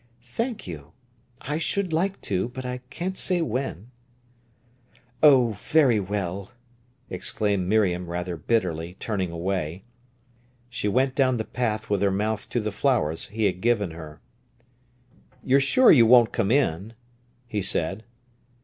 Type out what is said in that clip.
"Thank you; I should like to, but I can't say when." "Oh, very well!" exclaimed Miriam rather bitterly, turning away. She went down the path with her mouth to the flowers he had given her. "You're sure you won't come in?" he said.